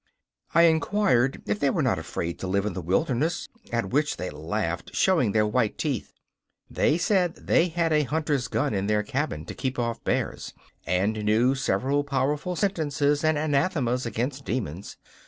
I inquired if they were not afraid to live in the wilderness, at which they laughed, showing their white teeth. They said they had a hunter's gun in their cabin to keep off bears, and knew several powerful sentences and anathemas against demons.